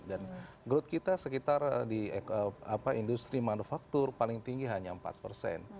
dan growth kita sekitar di industri manufaktur paling tinggi hanya empat persen